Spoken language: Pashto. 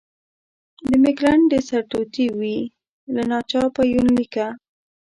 د ملکنډ د سرتوتي وی، له ناچاپ یونلیکه.